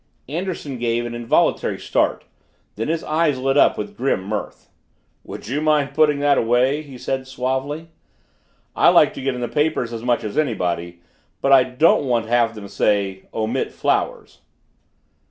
Anderson gave an involuntary start, then his eyes lit up with grim mirth. "Would you mind putting that away?" he said suavely. "I like to get in the papers as much as anybody, but I don't want to have them say omit flowers."